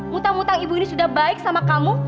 mutang mutang ibu ini sudah baik sama kamu